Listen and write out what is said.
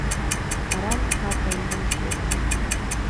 A rend napjainkban is létezik.